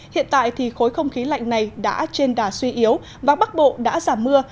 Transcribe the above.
hiện tại thì khối không khí lạnh này đã trên đà suy yếu và bắc bộ đã giảm mưa